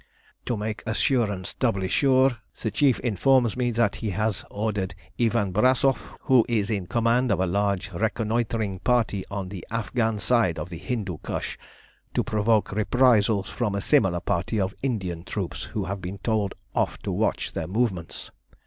"To make assurance doubly sure, the Chief informs me that he has ordered Ivan Brassoff, who is in command of a large reconnoitring party on the Afghan side of the Hindu Kush, to provoke reprisals from a similar party of Indian troops who have been told off to watch their movements.